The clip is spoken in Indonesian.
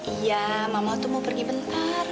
iya mama itu mau pergi bentar